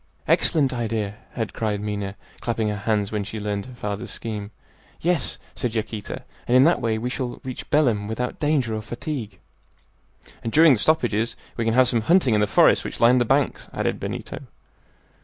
"Excellent idea!" had cried Minha, clapping her hands, when she learned her father's scheme. "Yes," said Yaquita, "and in that way we shall reach Belem without danger or fatigue." "And during the stoppages we can have some hunting in the forests which line the banks," added Benito.